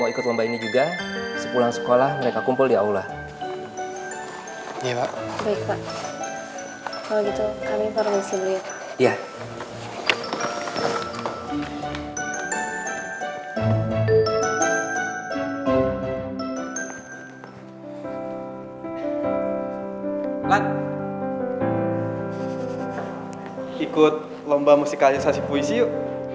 ikut lomba musikalnya sasi puisi yuk